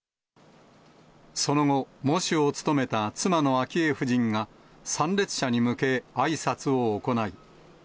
その後、喪主を務めた妻の昭恵夫人が、参列者に向け、あいさつを行い。